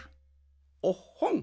おっほん。